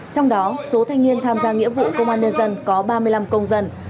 trong đó số thanh niên tham gia nghĩa vụ công an nhân dân có ba mươi năm công dân